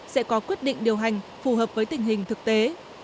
sẽ có quyết định điều hành phù hợp với tình hình thực tế